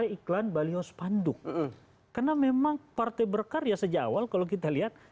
tapi iklan balyos panduk karena memang partai berkarya sejak awal kalau kita lihat